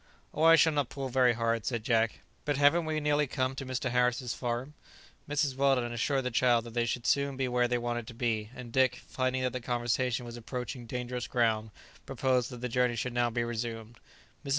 "O, I shall not pull very hard," said Jack; "but haven't we nearly come to Mr. Harris's farm?" Mrs. Weldon assured the child that they should soon be where they wanted to be, and Dick, finding that the conversation was approaching dangerous ground, proposed that the journey should be now resumed. Mrs.